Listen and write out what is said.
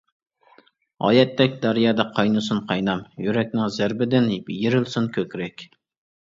ھاياتتەك دەريادا قاينىسۇن قاينام، يۈرەكنىڭ زەربىدىن يېرىلسۇن كۆكرەك.